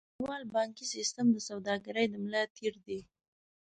نړیوال بانکي سیستم د سوداګرۍ د ملا تیر دی.